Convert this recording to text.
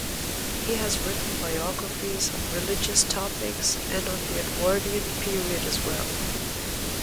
He has written biographies on religious topics, and on the Edwardian period as well.